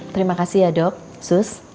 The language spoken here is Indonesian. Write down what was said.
terima kasih ya dok sus